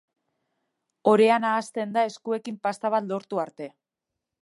Orea nahasten da eskuekin pasta bat lortu arte.